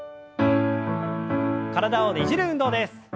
体をねじる運動です。